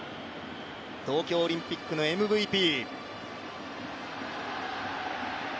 東京オリンピックのＭＶＰ。